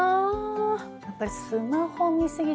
やっぱりスマホ見過ぎで。